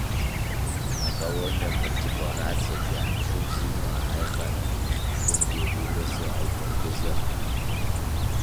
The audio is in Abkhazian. Аколониақәа рдекларациаҿ иаарԥшуп зинла аиҟарареи ахьыԥшымреи риуразы ажәлар ргәазыҳәара.